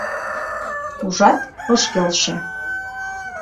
Ужат, ыш келше.